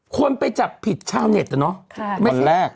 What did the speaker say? ควรไปจับผิดชาวเน็ตเนอะ